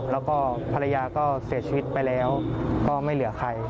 แล้วก็ภรรยาก็เสียชีวิตไปแล้วก็ไม่เหลือใคร